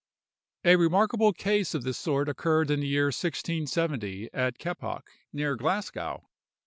A remarkable case of this sort occurred in the year 1670, at Keppock, near Glasgow.